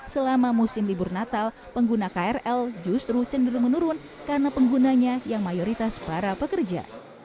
selama musim libur natal pengguna krl justru cenderung menurun karena penggunanya yang mayoritas para pekerja